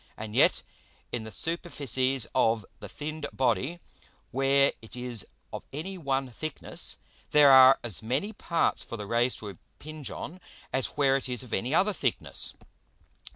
And yet in the Superficies of the thinned Body, where it is of any one thickness, there are as many parts for the Rays to impinge on, as where it is of any other thickness.